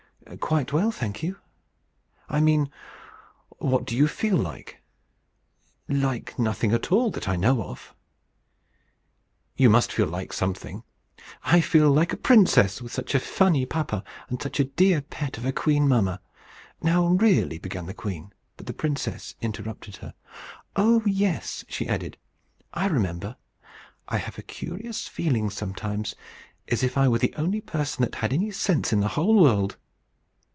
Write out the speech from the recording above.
"Quite well, thank you." "I mean, what do you feel like?" "Like nothing at all, that I know of." "You must feel like something." "I feel like a princess with such a funny papa, and such a dear pet of a queen mamma!" "Now really!" began the queen; but the princess interrupted her. "Oh yes," she added, "I remember. I have a curious feeling sometimes, as if I were the only person that had any sense in the whole world."